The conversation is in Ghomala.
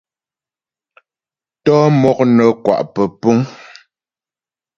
Tɔ'ɔ mɔk nə́ kwa' pə́púŋ.